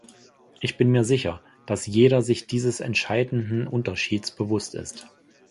Ich bin mir sicher, dass jeder sich dieses entscheidenden Unterschieds bewusst ist.